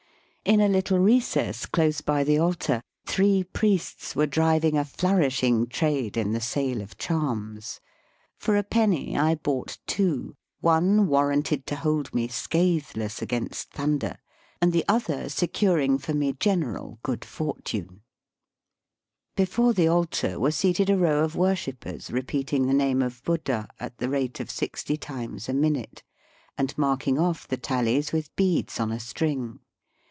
In a little recess close by the altar, three priests were driving a flourishing trade in the sale of charms. For a penny I bought two, one warranted to hold me scathe less against thunder, and the other securing for me general good fortune. Digitized by VjOOQIC TEMPLES AND WOBSHIPPERS. 77 Before the altar were seated a row of worshippers repeating the name of Buddha at the rate of sixty times a minute, and marking off the tallies with heads on a string.